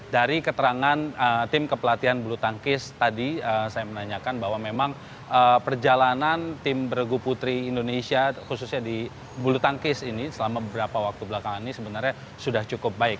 dari keterangan tim kepelatihan bulu tangkis tadi saya menanyakan bahwa memang perjalanan tim bergu putri indonesia khususnya di bulu tangkis ini selama beberapa waktu belakangan ini sebenarnya sudah cukup baik